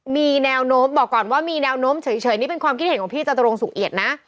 มีแนวโน้มบอกก่อนว่ามีแนวโน้มเฉยนี่เป็นความคิดเห็นของพี่จตุรงสุขเอียดนะ